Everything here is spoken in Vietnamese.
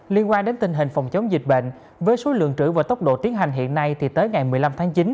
liên quan đến tình hình phòng chống dịch bệnh với số lượng trữ và tốc độ tiến hành hiện nay thì tới ngày một mươi năm tháng chín